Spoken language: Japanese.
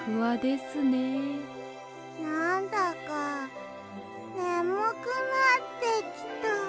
なんだかねむくなってきた。